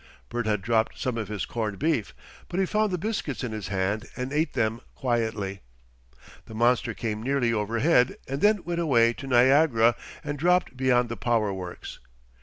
Bert had dropped some of his corned beef, but he found the biscuits in his hand and ate them quietly. The monster came nearly overhead and then went away to Niagara and dropped beyond the power works.